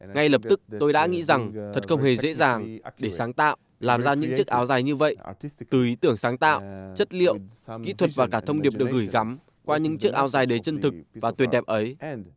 ngay lập tức tôi đã nghĩ rằng thật không hề dễ dàng để sáng tạo làm ra những chiếc áo dài như vậy từ ý tưởng sáng tạo chất liệu kỹ thuật và cả thông điệp được gửi gắm qua những chiếc áo dài đầy chân thực và tuyệt đẹp ấy